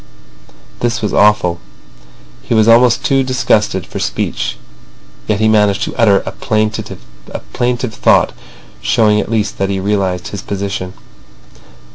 This was awful. He was almost too disgusted for speech. Yet he managed to utter a plaintive thought, showing at least that he realised his position.